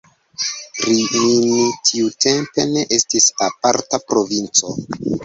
Rimini tiutempe ne estis aparta provinco.